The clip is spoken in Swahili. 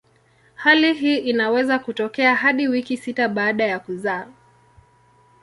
Hali hii inaweza kutokea hadi wiki sita baada ya kuzaa.